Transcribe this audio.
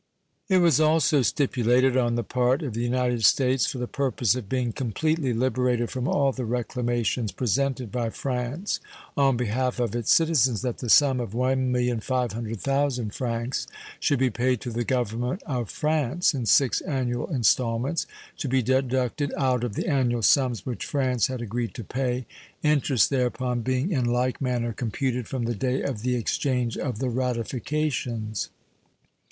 It was also stipulated on the part of the United States, for the purpose of being completely liberated from all the reclamations presented by France on behalf of its citizens, that the sum of 1,500,000 francs should be paid to the Government of France in six annual installments, to be deducted out of the annual sums which France had agreed to pay, interest thereupon being in like manner computed from the day of the exchange of the ratifications.